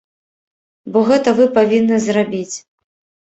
Бо гэта вы павінны зрабіць.